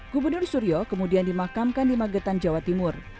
gubernur suryo kemudian dimakamkan di magetan jawa timur